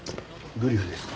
グリフですか？